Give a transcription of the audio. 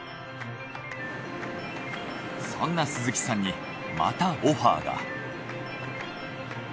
そんな鈴木さんにまたオファーが。